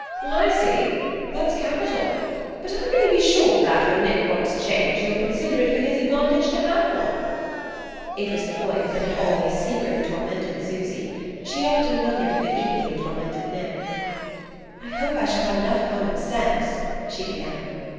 "I see; that's capital. But how can you be sure that, when Nick wants a change, you'll consider it for his advantage to have one?" It was the point that had always secretly tormented Susy; she often wondered if it equally tormented Nick. "I hope I shall have enough common sense " she began.